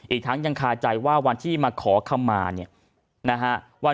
อีกทั้งยังคาใจว่าวันที่มาขอคำมา